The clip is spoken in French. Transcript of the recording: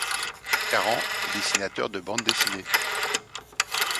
Karan est dessinateur de bandes dessinées.